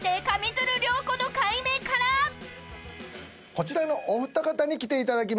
こちらのお二方に来ていただきました